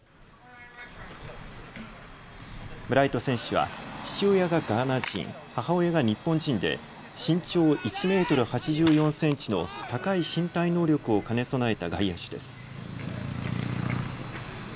ブライト選手は父親がガーナ人、母親が日本人で身長１メートル８４センチの高い身体能力を兼ね備えた外野手です。